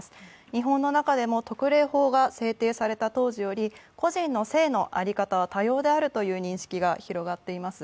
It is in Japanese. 日本の中でも特例法が制定された当時より個人の性の在り方は多様であるという認識が広がっています。